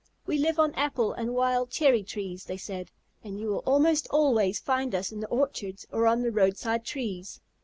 "We live on apple and wild cherry trees," they said, "and you will almost always find us in the orchards or on the roadside trees.